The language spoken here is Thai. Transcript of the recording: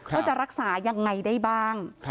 ว่าจะรักษายังไงได้บ้าง